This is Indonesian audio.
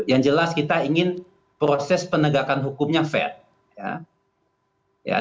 yang jelas kita ingin proses penegakan hukumnya fair